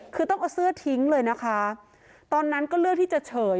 คือต้องเอาเสื้อทิ้งเลยนะคะตอนนั้นก็เลือกที่จะเฉย